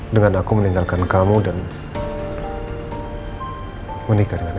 dengan aku meninggalkan kamu dan menikah dengan elsa